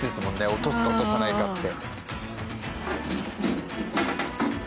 落とすか落とさないかって。